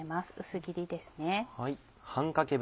薄切りですね。